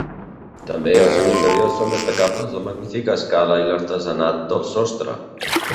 També al seu interior són destacables la magnífica escala i l'artesanat del sostre.